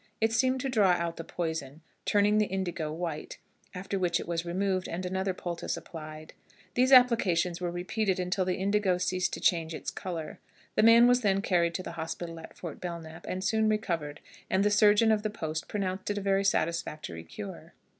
It seemed to draw out the poison, turning the indigo white, after which it was removed and another poultice applied. These applications were repeated until the indigo ceased to change its color. The man was then carried to the hospital at Fort Belknap, and soon recovered, and the surgeon of the post pronounced it a very satisfactory cure.